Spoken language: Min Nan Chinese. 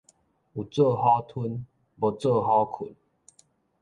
有做虎吞，無做虎睏